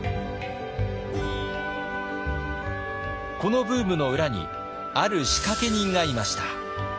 このブームの裏にある仕掛け人がいました。